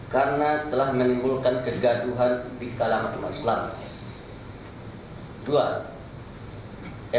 karena telah menimbulkan kegaduhan di kalangan maslam